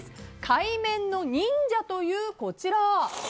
海面の忍者という、こちら。